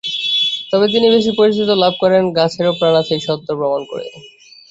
তবে তিনি বেশি পরিচিতি লাভ করেন গাছেরও প্রাণ আছে—এই সত্য প্রমাণ করে।